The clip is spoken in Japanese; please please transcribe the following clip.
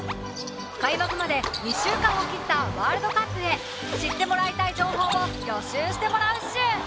開幕まで２週間を切ったワールドカップへ知ってもらいたい情報を予習してもらうっシュ！